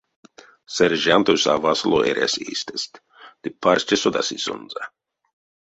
Сержантось а васоло эрясь эйстэст ды парсте содасы сонзэ.